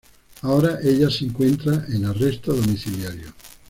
Ahora ella se encuentra en arresto domiciliario.